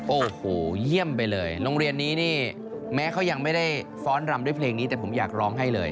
โอ้โหเยี่ยมไปเลยโรงเรียนนี้นี่แม้เขายังไม่ได้ฟ้อนรำด้วยเพลงนี้แต่ผมอยากร้องให้เลย